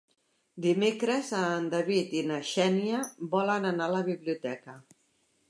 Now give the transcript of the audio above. Dimecres en David i na Xènia volen anar a la biblioteca.